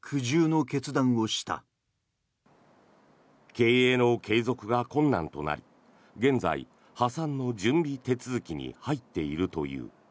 経営の継続が困難となり現在、破産の準備手続きに入っているという。